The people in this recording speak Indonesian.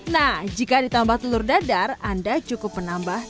nah jika ditambah telur dadar nasi goreng ini bisa dikembali